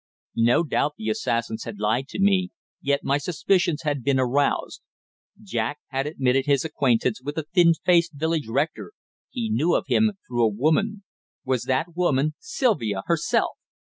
No doubt the assassins had lied to me, yet my suspicions had been aroused. Jack had admitted his acquaintance with the thin faced village rector he knew of him through a woman. Was that woman Sylvia herself?